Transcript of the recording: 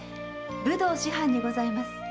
武道師範にございます。